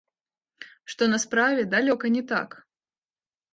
Што на справе далёка не так.